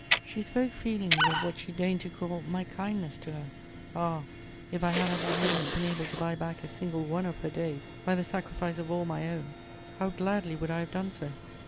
She spoke feelingly of what she deigned to call "my kindness" to her: ah, if I had at that moment been able to buy back a single one of her days by the sacrifice of all my own, how gladly would I have done so!